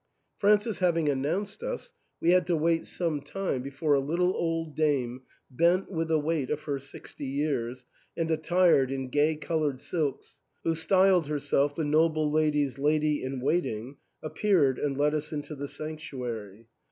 Francis having announced us, we had to wait some time before a little old dame, bent with the weight of her sixty years, and attired in gay coloured silks, who styled herself the noble ladies' lady in waiting, appeared and led us into the sanctuary.